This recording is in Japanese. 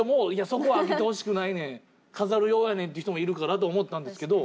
そこ開けてほしくないねん飾る用やねんっていう人もいるかなと思ったんですけど。